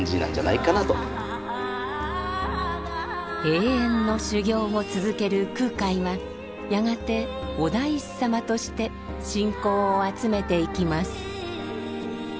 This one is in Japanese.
永遠の修行を続ける空海はやがてお大師様として信仰を集めていきます。